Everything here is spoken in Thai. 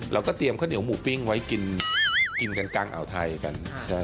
เราก็เตรียมข้าวเหนียวหมูปิ้งไว้กินกันกลางอ่าวไทยกัน